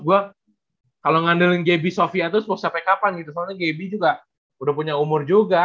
gua kalau ngandalkan gaby sofia terus mau sampai kapan gitu soalnya gaby juga udah punya umur juga